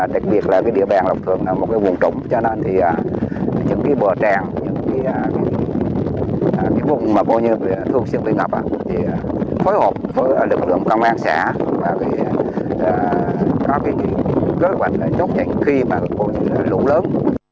đặc biệt là địa bàn lập thường là một vùng trống cho nên những bờ tràn những vùng mà bố nhân thường xuyên bị ngập thì phối hợp với lực lượng công an xã và có kế hoạch chốc nhảy khi bố trí lũ lớn